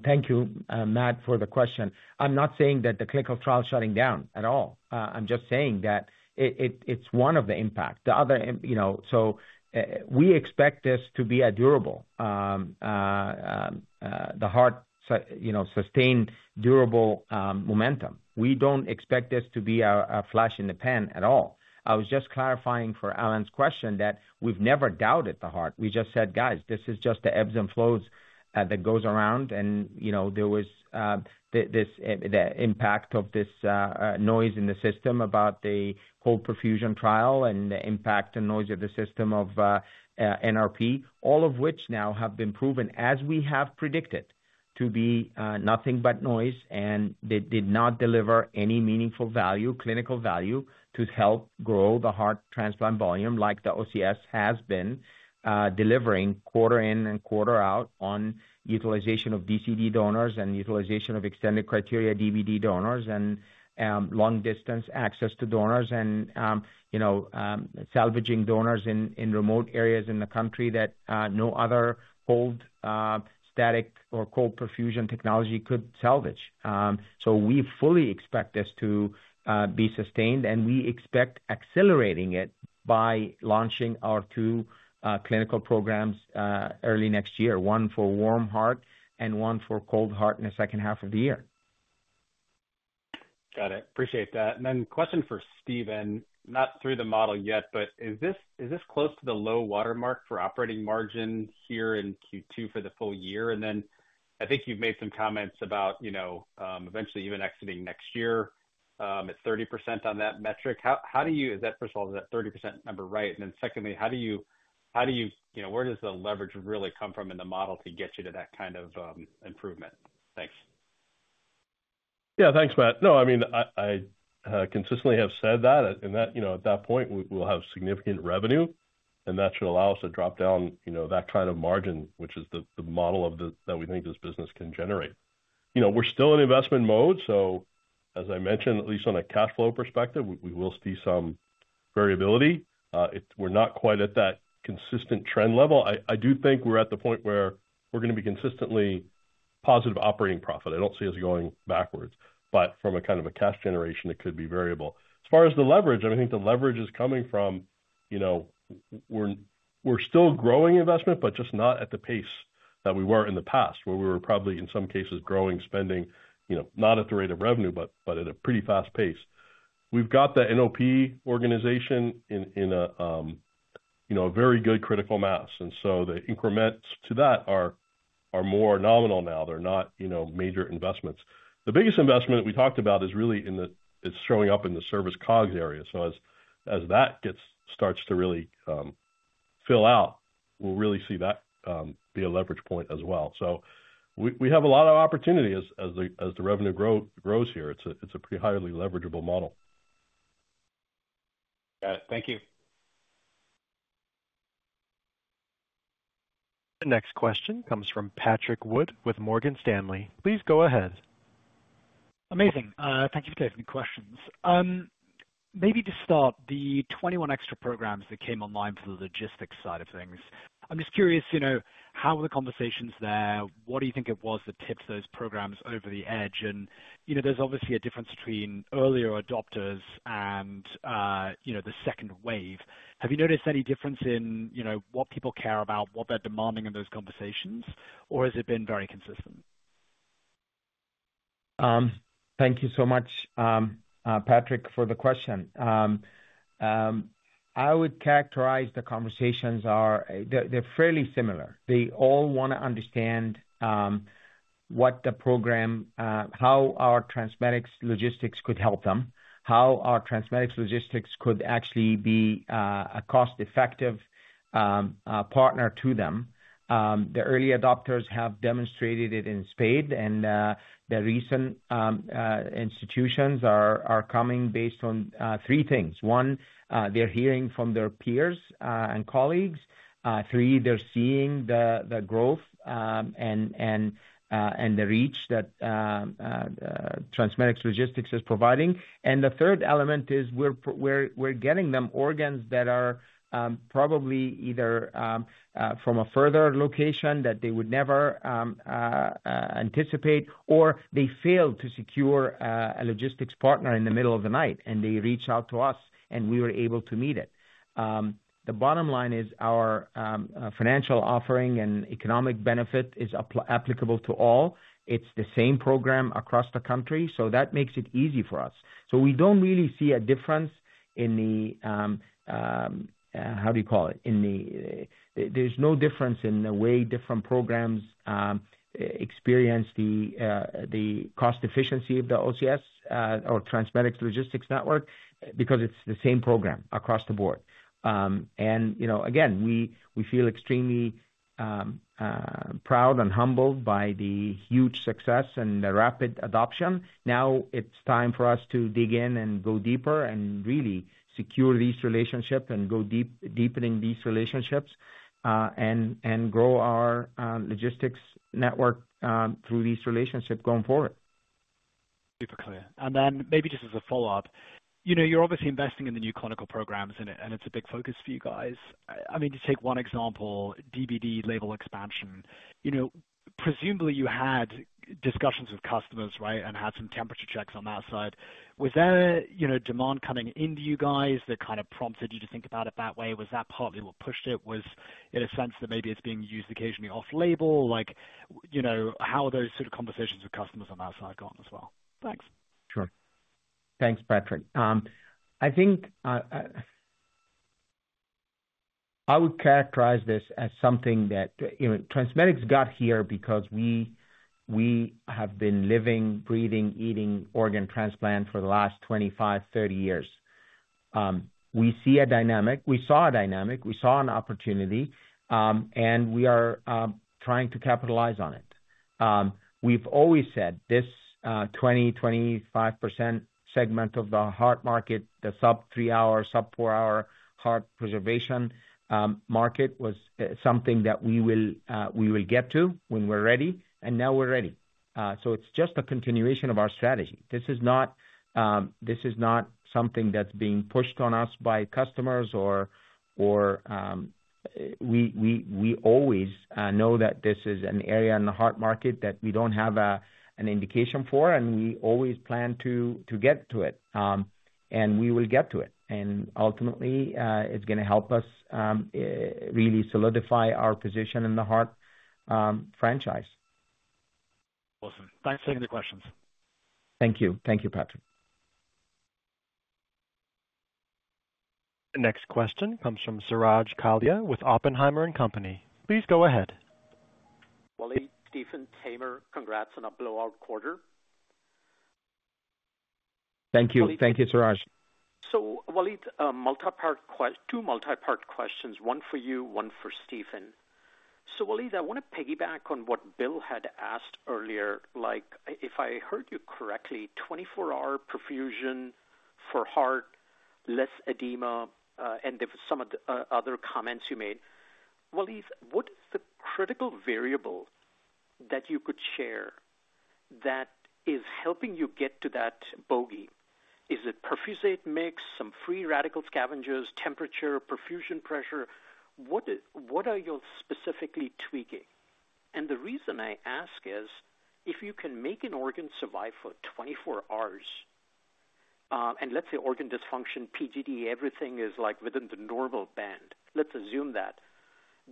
Thank you, Matt, for the question. I'm not saying that the clinical trial is shutting down at all. I'm just saying that it's one of the impact. The other impact. You know, so, we expect this to be a durable, the heart, sustained durable, momentum. We don't expect this to be a flash in the pan at all. I was just clarifying for Allen question that we've never doubted the heart. We just said, "Guys, this is just the ebbs and flows that goes around." And, you know, there was the impact of this noise in the system about the whole perfusion trial and the impact and noise of the system of NRP, all of which now have been proven, as we have predicted, to be nothing but noise, and they did not deliver any meaningful value, clinical value, to help grow the heart transplant volume, like the OCS has been delivering quarter in and quarter out on utilization of DCD donors and utilization of extended criteria DBD donors and long-distance access to donors and, you know, salvaging donors in remote areas in the country that no other old static or cold perfusion technology could salvage. So we fully expect this to be sustained, and we expect accelerating it by launching our two clinical programs early next year, one for warm heart and one for cold heart in the second half of the year. Got it. Appreciate that. And then question for Stephen, not through the model yet, but is this, is this close to the low watermark for operating margin here in Q2 for the full year? And then I think you've made some comments about, you know, eventually even exiting next year, at 30% on that metric. How, how do you... Is that, first of all, is that 30% number, right? And then secondly, how do you, how do you, you know, where does the leverage really come from in the model to get you to that kind of, improvement? Thanks. Yeah. Thanks, Matt. No, I mean, I consistently have said that, and that, you know, at that point, we, we'll have significant revenue, and that should allow us to drop down, you know, that kind of margin, which is the, the model of the- that we think this business can generate. You know, we're still in investment mode, so as I mentioned, at least on a cash flow perspective, we, we will see some variability. It... We're not quite at that consistent trend level. I do think we're at the point where we're gonna be consistently positive operating profit. I don't see us going backwards, but from a kind of a cash generation, it could be variable. As far as the leverage, I think the leverage is coming from, you know, we're still growing investment, but just not at the pace that we were in the past, where we were probably, in some cases, growing spending, you know, not at the rate of revenue, but at a pretty fast pace. We've got the NOP organization in a very good critical mass, and so the increments to that are more nominal now. They're not, you know, major investments. The biggest investment we talked about is really in the; it's showing up in the service COGS area. So as that gets starts to really fill out, we'll really see that be a leverage point as well. So we have a lot of opportunity as the revenue grows here. It's a pretty highly leverageable model. Got it. Thank you. The next question comes from Patrick Wood with Morgan Stanley. Please go ahead. Amazing. Thank you for taking the questions. Maybe to start, the 21 extra programs that came online for the logistics side of things, I'm just curious, you know, how are the conversations there? What do you think it was that tipped those programs over the edge? And, you know, there's obviously a difference between earlier adopters and, you know, the second wave. Have you noticed any difference in, you know, what people care about, what they're demanding in those conversations, or has it been very consistent? Thank you so much, Patrick, for the question. I would characterize the conversations. They're fairly similar. They all wanna understand what the program, how our TransMedics logistics could help them. How our TransMedics logistics could actually be a cost-effective partner to them. The early adopters have demonstrated it in spades, and the recent institutions are coming based on three things: One, they're hearing from their peers and colleagues. Three, they're seeing the growth and the reach that TransMedics Logistics is providing. And the third element is we're getting them organs that are probably either from a further location that they would never anticipate, or they failed to secure a logistics partner in the middle of the night, and they reach out to us, and we were able to meet it. The bottom line is our financial offering and economic benefit is applicable to all. It's the same program across the country, so that makes it easy for us. So we don't really see a difference. There's no difference in the way different programs experience the cost efficiency of the OCS or TransMedics logistics network, because it's the same program across the board. And, you know, again, we feel extremely proud and humbled by the huge success and the rapid adoption. Now it's time for us to dig in and go deeper and really secure these relationships and go deep, deepen in these relationships, and grow our logistics network through these relationships going forward. Super clear. And then maybe just as a follow-up, you know, you're obviously investing in the new clinical programs, and it's a big focus for you guys. I mean, to take one example, DBD label expansion. You know, presumably you had discussions with customers, right? And had some temperature checks on that side. Was there, you know, demand coming into you guys that kind of prompted you to think about it that way? Was that partly what pushed it? Was it a sense that maybe it's being used occasionally off label? Like, you know, how are those sort of conversations with customers on that side gone as well? Thanks. Sure. Thanks, Patrick. I think I would characterize this as something that, you know, TransMedics got here because we have been living, breathing, eating organ transplant for the last 25, 30 years. We see a dynamic, we saw a dynamic, we saw an opportunity, and we are trying to capitalize on it. We've always said this, 20-25% segment of the heart market, the sub 3-hour, sub 4-hour heart preservation market, was something that we will get to when we're ready, and now we're ready. So it's just a continuation of our strategy. This is not something that's being pushed on us by customers or we always know that this is an area in the heart market that we don't have an indication for, and we always plan to get to it. And we will get to it, and ultimately, it's gonna help us really solidify our position in the heart franchise. Awesome. Thanks for taking the questions. Thank you. Thank you, Patrick. The next question comes from Suraj Kalia with Oppenheimer. Please go ahead. Waleed, Stephen, Tamer, congrats on a blowout quarter. Thank you. Thank you, Suraj. So, Waleed, two multipart questions. One for you, one for Stephen. So, Waleed, I wanna piggyback on what Bill had asked earlier. Like, if I heard you correctly, 24-hour perfusion for heart, less edema, and some of the other comments you made. Waleed, what is the critical variable that you could share that is helping you get to that bogey? Is it perfusate mix, some free radical scavengers, temperature, perfusion pressure? What are you specifically tweaking? And the reason I ask is, if you can make an organ survive for 24 hours, and let's say organ dysfunction, PGD, everything is like within the normal band, let's assume that,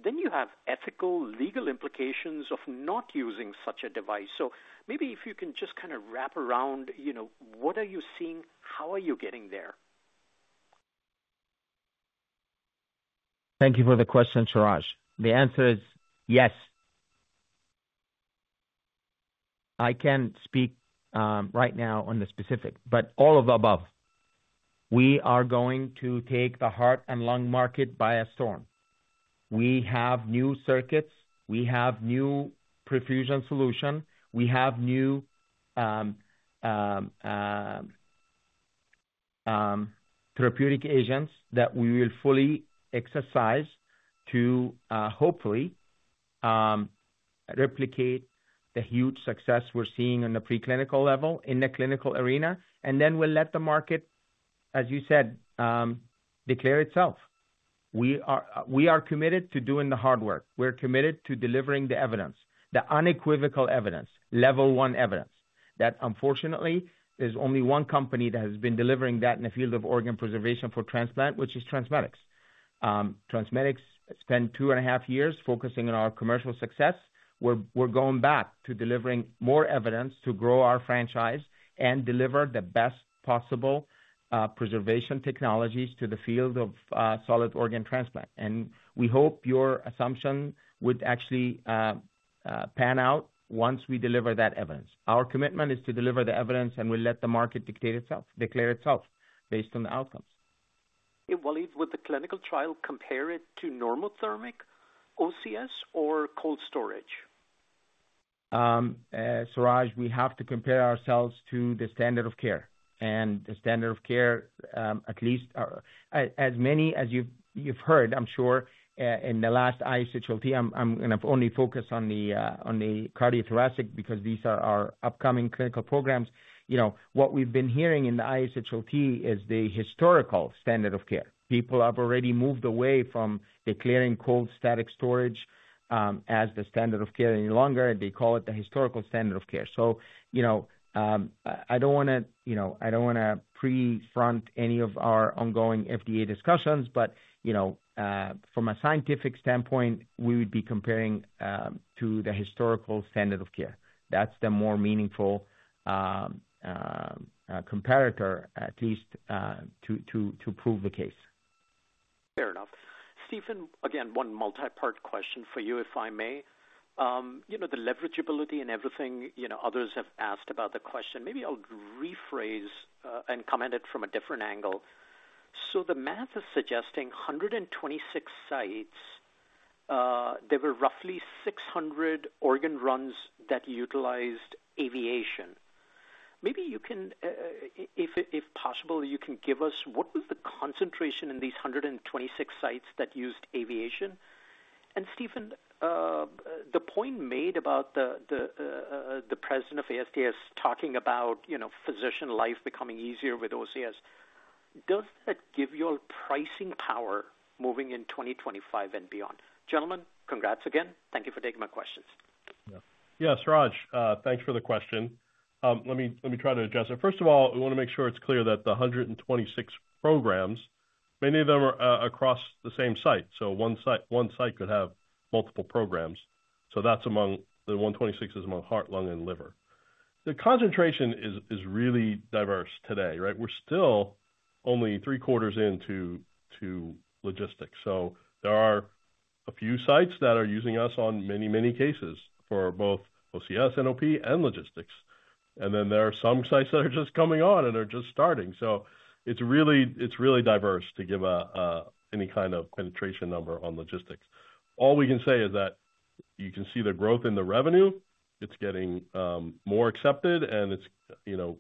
then you have ethical, legal implications of not using such a device. So maybe if you can just kind of wrap around, you know, what are you seeing? How are you getting there? Thank you for the question, Suraj. The answer is yes. I can't speak right now on the specific, but all of the above. We are going to take the heart and lung market by storm. We have new circuits, we have new perfusion solution. We have new therapeutic agents that we will fully exercise to hopefully replicate the huge success we're seeing on the preclinical level in the clinical arena, and then we'll let the market, as you said, declare itself. We are committed to doing the hard work. We're committed to delivering the evidence, the unequivocal evidence, level one evidence, that unfortunately, there's only one company that has been delivering that in the field of organ preservation for transplant, which is TransMedics. TransMedics spent two and a half years focusing on our commercial success. We're going back to delivering more evidence to grow our franchise and deliver the best possible preservation technologies to the field of solid organ transplant. We hope your assumption would actually pan out once we deliver that evidence. Our commitment is to deliver the evidence, and we'll let the market dictate itself, declare itself based on the outcomes. Hey, Waleed, would the clinical trial compare it to normothermic OCS or cold storage? Suraj, we have to compare ourselves to the standard of care, and the standard of care, at least as many as you've heard, I'm sure, in the last ISHLT, and I've only focused on the cardiothoracic because these are our upcoming clinical programs. You know, what we've been hearing in the ISHLT is the historical standard of care. People have already moved away from declaring static cold storage as the standard of care any longer. They call it the historical standard of care. So, you know, I don't wanna, you know, I don't wanna front-run any of our ongoing FDA discussions, but, you know, from a scientific standpoint, we would be comparing to the historical standard of care. That's the more meaningful comparator, at least, to prove the case. Fair enough. Stephen, again, one multi-part question for you, if I may. You know, the leverageability and everything, you know, others have asked about the question. Maybe I'll rephrase and come at it from a different angle. So the math is suggesting 126 sites. There were roughly 600 organ runs that utilized aviation. Maybe you can, if possible, give us what was the concentration in these 126 sites that used aviation? And Stephen, the point made about the president of ASTS talking about, you know, physician life becoming easier with OCS, does that give you pricing power moving in 2025 and beyond? Gentlemen, congrats again. Thank you for taking my questions. Yeah. Yeah, Suraj, thanks for the question. Let me, let me try to address it. First of all, we wanna make sure it's clear that the 126 programs, many of them are across the same site, so one site, one site could have multiple programs. So that's among the 126 is among heart, lung, and liver. The concentration is really diverse today, right? We're still only three quarters into logistics. So there are a few sites that are using us on many, many cases for both OCS, NOP and logistics. And then there are some sites that are just coming on and are just starting. So it's really diverse to give any kind of penetration number on logistics. All we can say is that you can see the growth in the revenue it's getting more accepted, and it's, you know,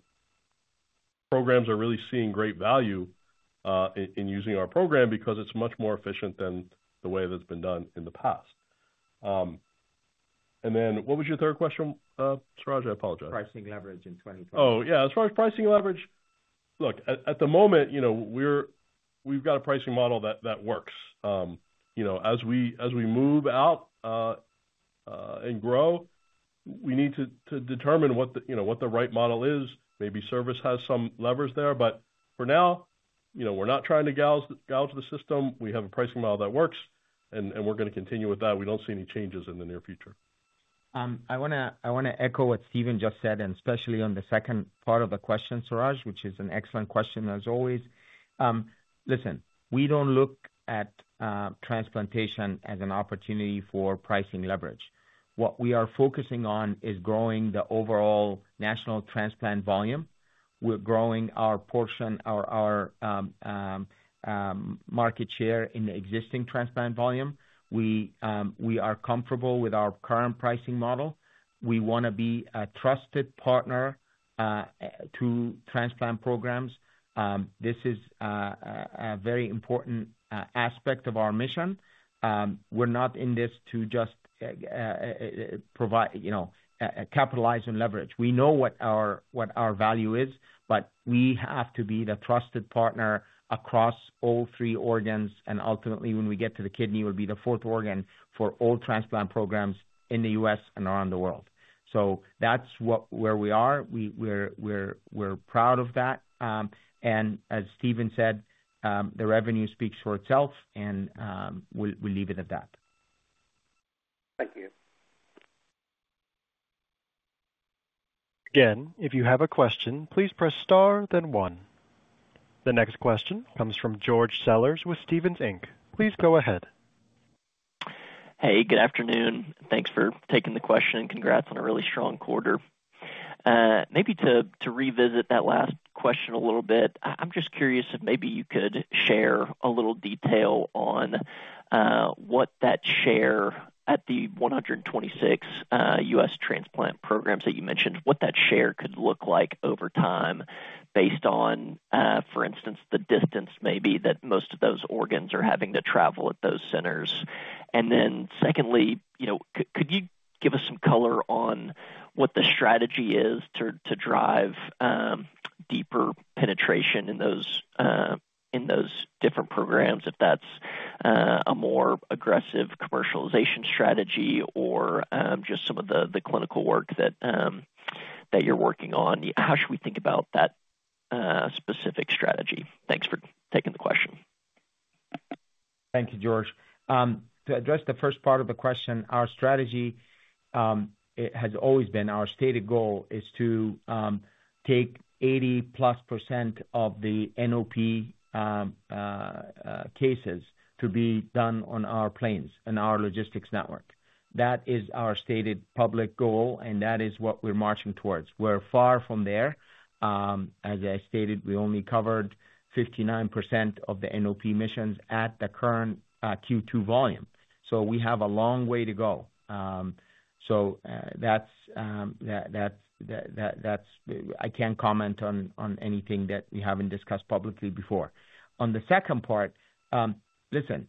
programs are really seeing great value in using our program because it's much more efficient than the way that's been done in the past. And then what was your third question, Suraj? I apologize. Pricing leverage in 2025. Oh, yeah. As far as pricing leverage, look, at the moment, you know, we've got a pricing model that works. You know, as we move out and grow, we need to determine what the right model is. Maybe service has some levers there, but for now, you know, we're not trying to gouge the system. We have a pricing model that works, and we're gonna continue with that. We don't see any changes in the near future. I wanna echo what Stephen just said, and especially on the second part of the question, Suraj, which is an excellent question, as always. Listen, we don't look at transplantation as an opportunity for pricing leverage. What we are focusing on is growing the overall national transplant volume. We're growing our portion, our market share in the existing transplant volume. We are comfortable with our current pricing model. We wanna be a trusted partner to transplant programs. This is a very important aspect of our mission. We're not in this to just provide, you know, capitalize and leverage. We know what our value is, but we have to be the trusted partner across all three organs, and ultimately, when we get to the kidney, will be the fourth organ for all transplant programs in the U.S. and around the world. So that's where we are. We're proud of that. And as Stephen said, the revenue speaks for itself, and we'll leave it at that. Thank you. Again, if you have a question, please press star, then one. The next question comes from George Sellers with Stephens Inc. Please go ahead. Hey, good afternoon. Thanks for taking the question, and congrats on a really strong quarter. Maybe to revisit that last question a little bit, I'm just curious if maybe you could share a little detail on what that share at the 126 U.S. transplant programs that you mentioned, what that share could look like over time, based on, for instance, the distance maybe that most of those organs are having to travel at those centers? And then secondly, you know, could you give us some color on what the strategy is to drive deeper penetration in those different programs, if that's a more aggressive commercialization strategy or just some of the clinical work that you're working on? How should we think about that specific strategy? Thanks for taking the question. Thank you, George. To address the first part of the question, our strategy, it has always been our stated goal, is to take 80%+ of the NOP cases to be done on our planes and our logistics network. That is our stated public goal, and that is what we're marching towards. We're far from there. As I stated, we only covered 59% of the NOP missions at the current Q2 volume. So we have a long way to go. That's... I can't comment on anything that we haven't discussed publicly before. On the second part, listen,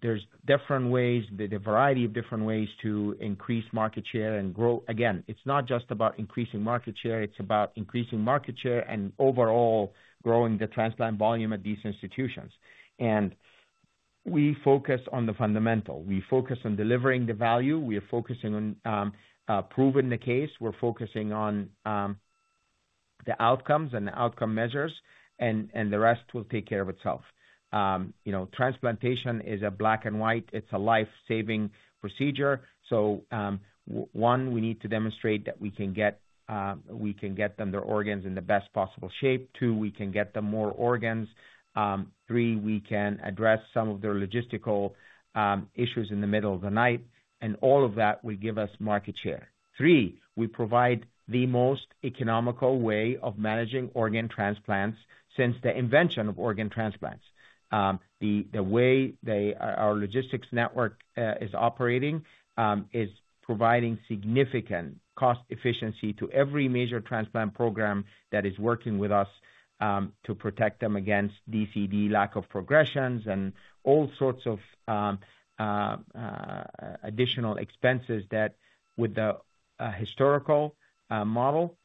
there's different ways, there's a variety of different ways to increase market share and grow. Again, it's not just about increasing market share, it's about increasing market share and overall growing the transplant volume at these institutions. We focus on the fundamental. We focus on delivering the value. We are focusing on proving the case. We're focusing on the outcomes and the outcome measures, and the rest will take care of itself. You know, transplantation is black and white. It's a life-saving procedure. So, one, we need to demonstrate that we can get them their organs in the best possible shape. Two, we can get them more organs. Three, we can address some of their logistical issues in the middle of the night, and all of that will give us market share. Three, we provide the most economical way of managing organ transplants since the invention of organ transplants. The way our logistics network is operating is providing significant cost efficiency to every major transplant program that is working with us, to protect them against DCD, lack of progressions, and all sorts of additional expenses that with the historical model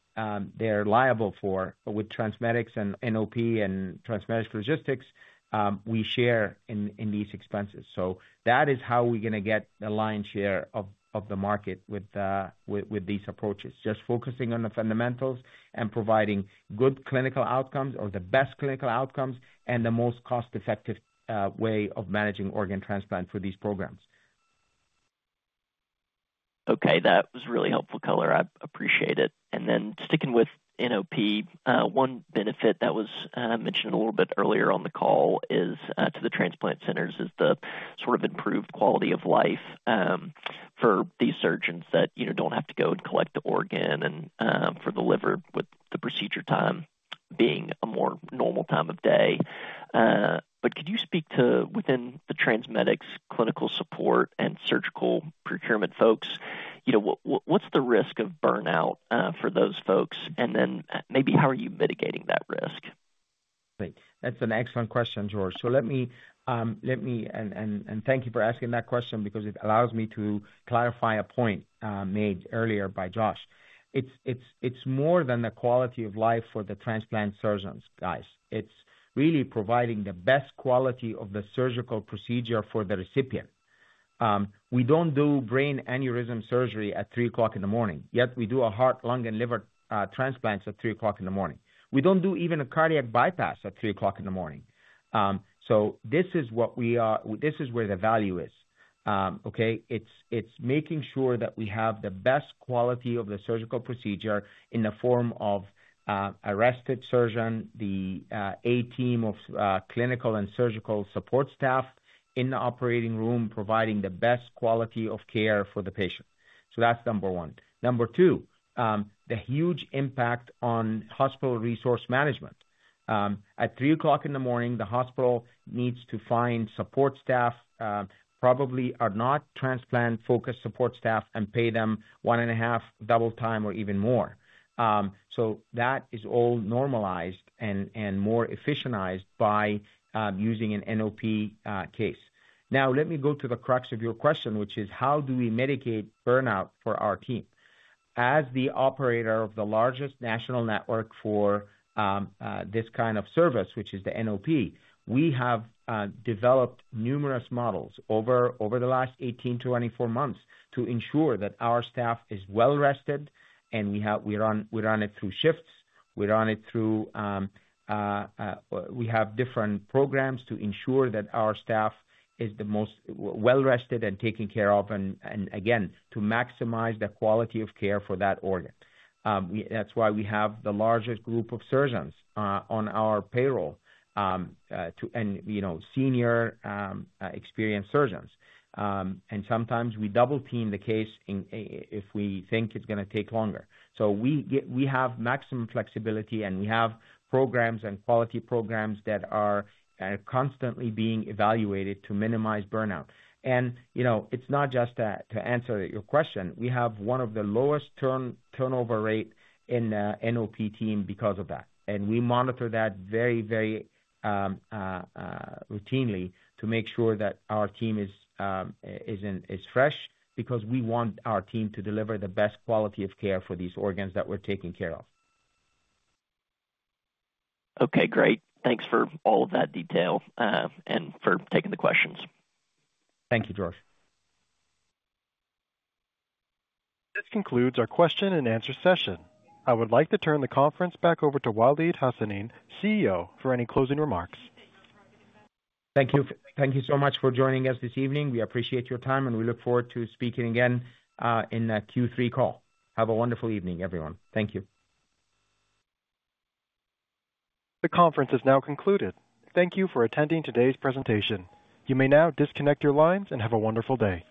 they're liable for. With TransMedics and NOP and TransMedics Logistics, we share in these expenses. So that is how we're gonna get the lion's share of the market with these approaches. Just focusing on the fundamentals and providing good clinical outcomes or the best clinical outcomes, and the most cost-effective way of managing organ transplant for these programs. Okay, that was really helpful color. I appreciate it. And then sticking with NOP, one benefit that was mentioned a little bit earlier on the call is to the transplant centers, is the sort of improved quality of life for these surgeons that, you know, don't have to go and collect the organ and for the liver, with the procedure time being a more normal time of day. But could you speak to within the TransMedics clinical support and surgical procurement folks, you know, what, what's the risk of burnout for those folks? And then maybe how are you mitigating that risk? Great! That's an excellent question, George. So let me and thank you for asking that question because it allows me to clarify a point made earlier by Josh. It's more than the quality of life for the transplant surgeons, guys. It's really providing the best quality of the surgical procedure for the recipient. We don't do brain aneurysm surgery at three o'clock in the morning, yet we do a heart, lung, and liver transplants at three o'clock in the morning. We don't do even a cardiac bypass at three o'clock in the morning. So this is where the value is. Okay, it's making sure that we have the best quality of the surgical procedure in the form of a rested surgeon, the A team of clinical and surgical support staff in the operating room, providing the best quality of care for the patient. So that's number one. Number two, the huge impact on hospital resource management. At 3:00 A.M., the hospital needs to find support staff, probably are not transplant-focused support staff, and pay them one and a half double time or even more. So that is all normalized and more efficientized by using an NOP case. Now, let me go to the crux of your question, which is: How do we mitigate burnout for our team? As the operator of the largest national network for this kind of service, which is the NOP, we have developed numerous models over the last 18-24 months to ensure that our staff is well rested, and we have—we run it through shifts, we run it through. We have different programs to ensure that our staff is the most well-rested and taken care of, and again, to maximize the quality of care for that organ. That's why we have the largest group of surgeons on our payroll, to, and, you know, senior experienced surgeons. And sometimes we double-team the case in—if we think it's gonna take longer. So we get—we have maximum flexibility, and we have programs and quality programs that are constantly being evaluated to minimize burnout. And, you know, it's not just that. To answer your question, we have one of the lowest turnover rate in the NOP team because of that. And we monitor that very, very routinely to make sure that our team is fresh, because we want our team to deliver the best quality of care for these organs that we're taking care of. Okay, great. Thanks for all of that detail, and for taking the questions. Thank you, George. This concludes our question and answer session. I would like to turn the conference back over to Waleed Hassanein, CEO, for any closing remarks. Thank you. Thank you so much for joining us this evening. We appreciate your time, and we look forward to speaking again in the Q3 call. Have a wonderful evening, everyone. Thank you. The conference is now concluded. Thank you for attending today's presentation. You may now disconnect your lines and have a wonderful day.